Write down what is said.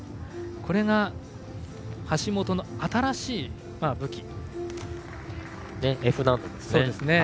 これが橋本の新しい武器。